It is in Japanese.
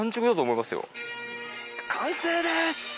完成です。